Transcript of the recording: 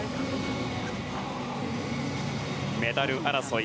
メダル争い。